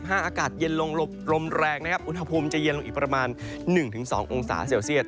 อากาศเย็นลงลมแรงนะครับอุณหภูมิจะเย็นลงอีกประมาณ๑๒องศาเซลเซียต